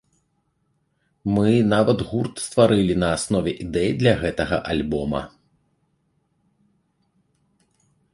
Мы нават гурт стварылі на аснове ідэй для гэтага альбома.